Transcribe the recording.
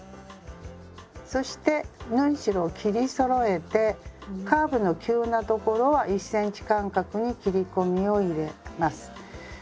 そして縫い代を切りそろえてカーブの急な所は１ｃｍ間隔に切り込みを入れます。